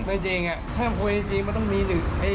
ไม่จริงถ้าอย่างพูดจริงต้องมี๑๘มีเป็นก็เยอะ